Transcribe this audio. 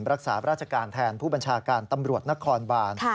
รักษาราชการแทนผู้บัญชาการตำรวจนครบาน